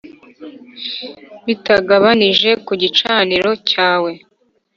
Bitagabanije ku gicaniro cyawe